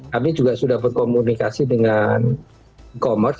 kami juga sudah berkomunikasi dengan e commerce